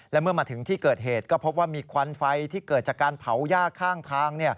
และเมื่อมาถึงที่เกิดเหตุก็พบว่ามีควันไฟที่เกิดจากการเผาย่าข้างทาง